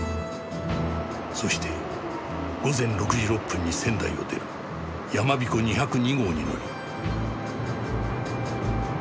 そして午前６時６分に仙台を出るやまびこ２０２号に乗り。